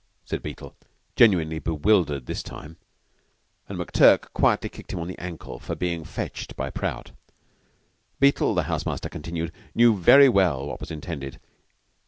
said Beetle, genuinely bewildered this time; and McTurk quietly kicked him on the ankle for being "fetched" by Prout. Beetle, the house master continued, knew very well what was intended.